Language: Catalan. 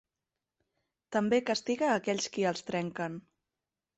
També castiga aquells qui els trenquen.